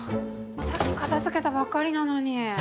さっき片づけたばっかりなのに。